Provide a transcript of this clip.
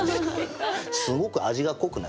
すごく味が濃くなる。